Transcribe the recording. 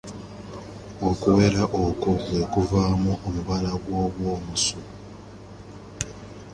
Okuwera okwo, kwe kwavaamu omubala gw’aboomusu.